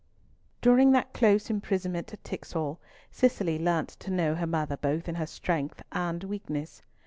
During that close imprisonment at Tixall Cicely learnt to know her mother both in her strength and weakness.